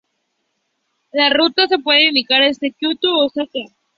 La ruta se puede iniciar desde Kioto u Osaka.